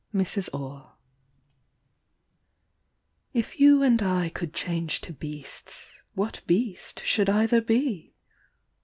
MRS. ORR. If you and I could change to beasts, what beast should either be?